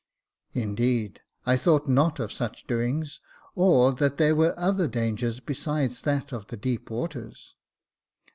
" Indeed, I thought not of such doings ; or that there were other dangers besides that of the deep waters."